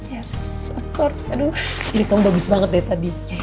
yes of course aduh lihat kamu bagus banget dari tadi